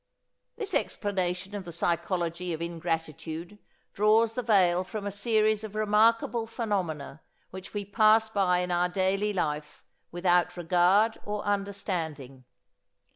This explanation of the psychology of ingratitude draws the veil from a series of remarkable phenomena which we pass by in our daily life without regard or understanding.